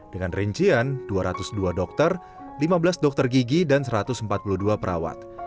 dengan rincian dua ratus dua dokter lima belas dokter gigi dan satu ratus empat puluh dua perawat